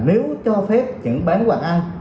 nếu cho phép những bán quạt ăn